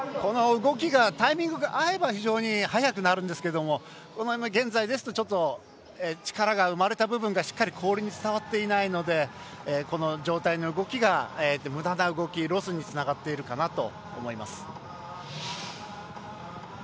動きがタイミングが合えば非常に速くなるんですけどこのままですと力が生まれた部分がしっかり氷に伝わっていないのでこの上体の動きが、むだな動きロスにつながっているかなと思います。